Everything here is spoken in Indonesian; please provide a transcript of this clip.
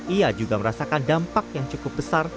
ia juga merasakan dampak yang cukup besar